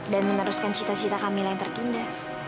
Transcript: dan meneruskan cita cita kamila yang tertunda